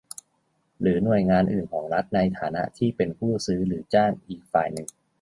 หรือหน่วยงานอื่นของรัฐในฐานะที่เป็นผู้ซื้อหรือจ้างอีกฝ่ายหนึ่ง